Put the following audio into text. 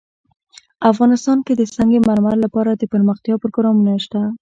افغانستان کې د سنگ مرمر لپاره دپرمختیا پروګرامونه شته.